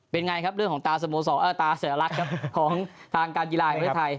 เป็นไงครับเรื่องของตาเสียลักษณ์ของทางการกีฬาอเมืองไทย